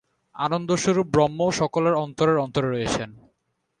আনন্দস্বরূপ ব্রহ্মও সকলের অন্তরের অন্তরে রয়েছেন।